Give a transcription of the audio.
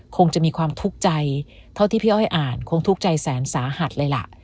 คงจะมีความทุกข์ใจเท่าที่พี่อ้อยอ่านคงทุกข์ใจแสนสาหัสเลยล่ะ